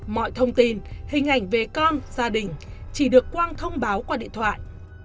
mọi thông tin hình ảnh về con gia đình chỉ được quang thông báo qua điện thoại